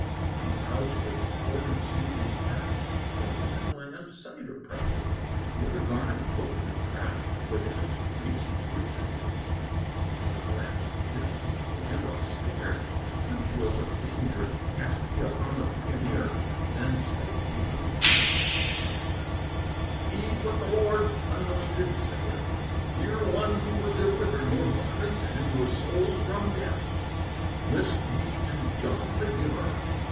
One pouch with hoarded seed was packed, From Penn land cider presses; The other garnered book and tract Within its creased recesses. A glance disdainful and austere, Contemptuous of danger, Cast he upon the pioneer, Then spake the uncouth stranger: "Heed what the Lord's anointed saith; Hear one who would deliver Your bodies and your souls from death; List ye to John the Giver.